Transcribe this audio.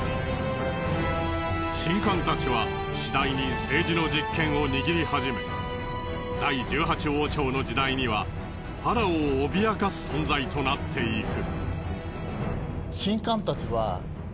神官たちはしだいに政治の実権を握り始め第１８王朝の時代にはファラオを脅かす存在となっていく。